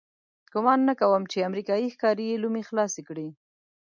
ګمان نه کوم چې امریکایي ښکاري یې لومې خلاصې کړي.